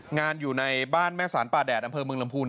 อยู่ในบ้านแม่สารป่าแดดอำเภอเมืองลำพูน